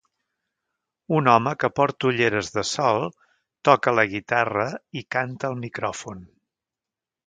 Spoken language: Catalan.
Un home que porta ulleres de sol toca la guitarra i canta al micròfon.